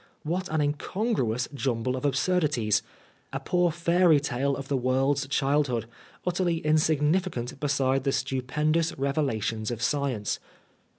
What an incongruous jumble of absurdities I A poor fairy tale of the weald's childhood, utterly insignificant beside the stupendous revelations of science.